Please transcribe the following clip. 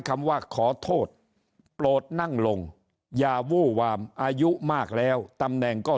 คำว่าขอโทษโปรดนั่งลงอย่าวู้วามอายุมากแล้วตำแหน่งก็